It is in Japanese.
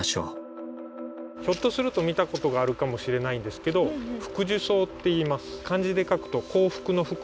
ひょっとすると見たことがあるかもしれないんですけどフクジュソウっていいます。